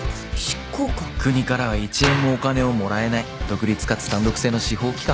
執行官？国からは一円もお金をもらえない独立かつ単独制の司法機関。